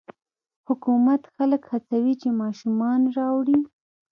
حکومت خلک هڅوي چې ماشومان راوړي.